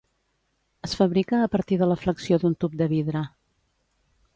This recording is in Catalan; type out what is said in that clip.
Es fabrica a partir de la flexió d'un tub de vidre.